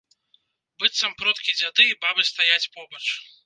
Быццам продкі-дзяды і бабы стаяць побач.